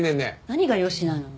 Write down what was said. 何が「よし」なの。